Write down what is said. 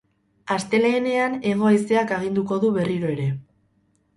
Astelehenean, hego-haizeak aginduko du berriro ere.